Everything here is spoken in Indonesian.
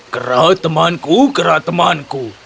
kera temanku kera temanku